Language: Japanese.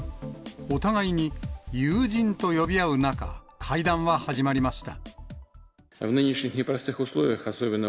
お互いに友人と呼び合う中、会談は始まりました。